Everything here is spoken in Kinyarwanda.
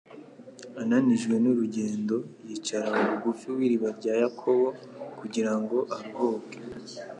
Ananijwe n’urugendo, yicara aho bugufi w’iriba rya Yakobo kugira ngo aruhuke,